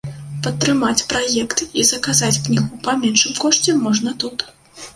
Падтрымаць праект і заказаць кнігу па меншым кошце можна тут.